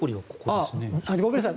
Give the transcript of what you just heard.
ごめんなさい。